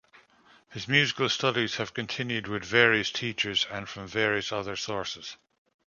His musical studies have continued with various teachers and from various other sources.